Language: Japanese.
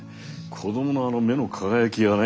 子どものあの目の輝きがね